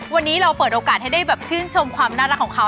วันนี้เราเปิดโอกาสให้ได้แบบชื่นชมความน่ารักของเขา